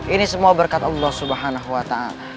ini semua berkat allah swt